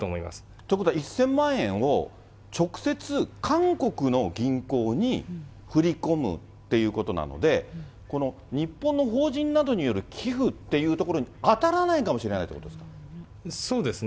ということは、１０００万円を直接韓国の銀行に振り込むっていうことなので、この日本の法人などによる寄付っていうところに当たらないかもしそうですね。